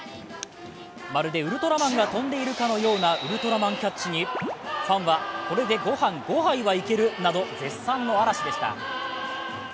まるでウルトラマンが飛んでいるかのようなウルトラマンキャッチにファンはこれで御飯５杯はいけるなど絶賛の嵐でした。